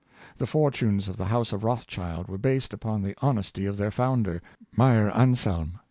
The fortunes of the house of Rothschild were based upon the honesty of their founder — Meyer Anslem.